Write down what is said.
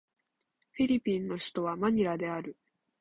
フィリピンの首都はマニラである